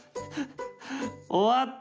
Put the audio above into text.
終わった！